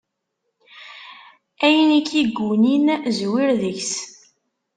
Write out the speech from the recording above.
Ayen i k-iggunin, zwir deg-s!